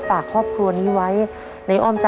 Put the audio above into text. ๑๐๐๐บาทนะครับอยู่ที่หมายเลข๔นี่เองนะฮะ